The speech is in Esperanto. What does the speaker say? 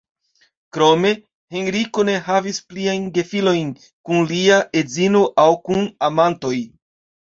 Krome, Henriko ne havis pliajn gefilojn kun lia edzino aŭ kun amantoj.